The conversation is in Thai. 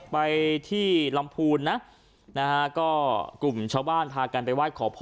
ไปที่ลำพูนนะกลุ่มชาวบ้านพากันไปวาดขอพร